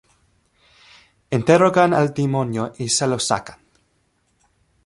Interrogan al demonio y se lo sacan.